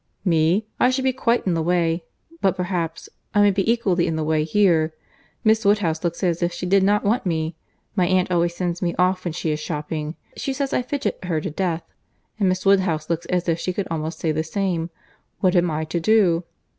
"Me! I should be quite in the way. But, perhaps—I may be equally in the way here. Miss Woodhouse looks as if she did not want me. My aunt always sends me off when she is shopping. She says I fidget her to death; and Miss Woodhouse looks as if she could almost say the same. What am I to do?"